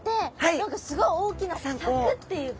何かすごい大きな柵っていうか。